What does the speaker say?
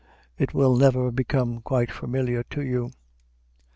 It will never become quite familiar to you.